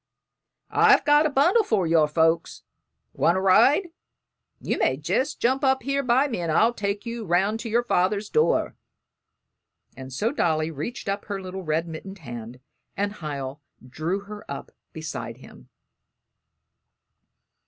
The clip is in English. "I've got a bundle for your folks. Want to ride? You may jest jump up here by me and I'll take you 'round to your father's door;" and so Dolly reached up her little red mittened hand, and Hiel drew her up beside him.